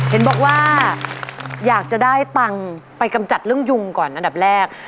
เห็นบอกว่าอยากจะได้ตังค์ไปกำจัดเรื่องยุงก่อนอันดับแรก